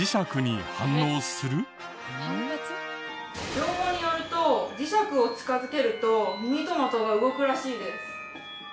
情報によると磁石を近づけるとミニトマトが動くらしいです。